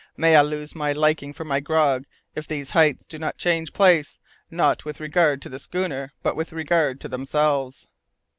"May I lose my liking for my grog if these heights do not change place, not with regard to the schooner, but with regard to themselves!"